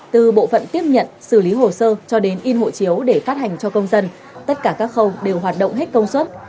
từ bộ phận tiếp nhận xử lý hồ sơ cho đến in hộ chiếu để phát hành cho công dân tất cả các khâu đều hoạt động hết công suất